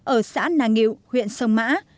ở xã nàng nghiệu huyện sông mã